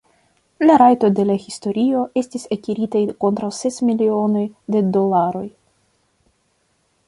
La rajtoj de la historio estis akiritaj kontraŭ ses milionoj de dolaroj.